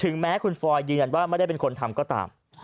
แม้คุณฟอยยืนยันว่าไม่ได้เป็นคนทำก็ตาม